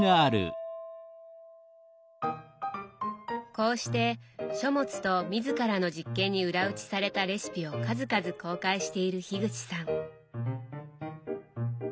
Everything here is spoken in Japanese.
こうして書物と自らの実験に裏打ちされたレシピを数々公開している口さん。